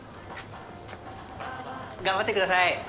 頑張って下さい。